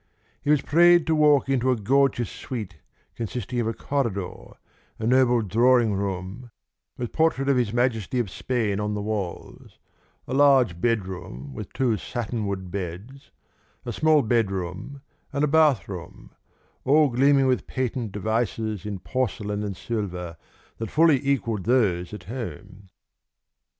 He was prayed to walk into a gorgeous suite consisting of a corridor, a noble drawing room (with portrait of His Majesty of Spain on the walls), a large bedroom with two satinwood beds, a small bedroom, and a bathroom, all gleaming with patent devices in porcelain and silver that fully equalled those at home.